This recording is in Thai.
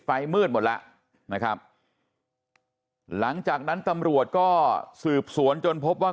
มืดหมดแล้วนะครับหลังจากนั้นตำรวจก็สืบสวนจนพบว่า